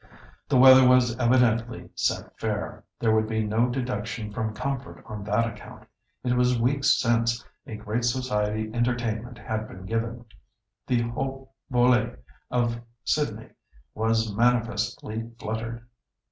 The weather was evidently "set fair"—there would be no deduction from comfort on that account. It was weeks since a great society entertainment had been given. The haute volée of Sydney was manifestly fluttered.